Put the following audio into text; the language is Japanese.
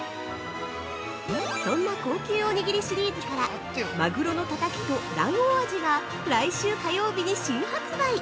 そんな高級おにぎりシリーズから、「まぐろのたたきと卵黄味」が来週火曜日に新発売！